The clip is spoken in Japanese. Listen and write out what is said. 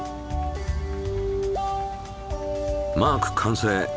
マーク完成！